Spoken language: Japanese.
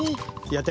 やって。